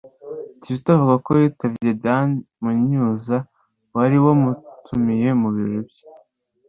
Kizito avuga ko yitabye Dan Munyuza wari wamutumije mu biro bye.